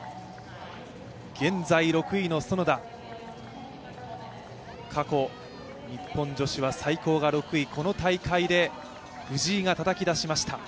現在６位の園田、過去、日本女子は最高が６位、この大会で藤井がたたき出しました。